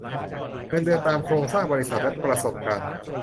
เงินเดือนตามโครงสร้างบริษัทและประสบการณ์